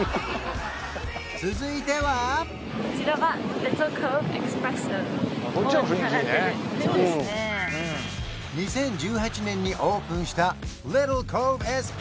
続いては２０１８年にオープンした